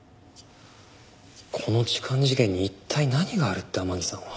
この痴漢事件に一体何があるって天樹さんは。